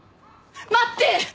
待って！